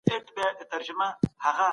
حکومت وارداتي تعرفه نه زیاتوي.